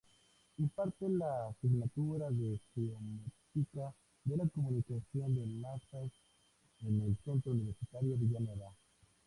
Imparte la asignatura de semiótica de comunicación de masas en el Centro Universitario Villanueva.